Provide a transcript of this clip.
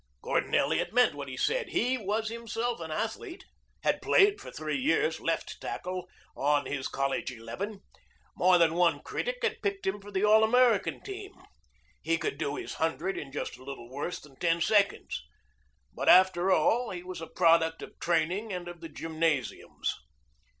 Gordon Elliot meant what he said. He was himself an athlete, had played for three years left tackle on his college eleven. More than one critic had picked him for the All America team. He could do his hundred in just a little worse than ten seconds. But after all he was a product of training and of the gymnasiums.